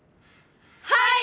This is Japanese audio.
はい！